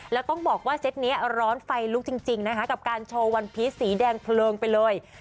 แล้วต้องบอกว่าเซตนี้ร้อนไฟลุกจริงนะคะกับการโชว์วันพีชสีแดงเพลิงไปเลย